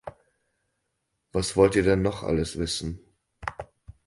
Was wollt ihr denn noch alles wissen?